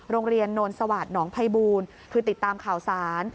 โรงเรียนนท์สวัสดิ์น้องไพบูลคือติดตามข่าวสาร